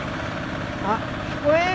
あっ聞こえん？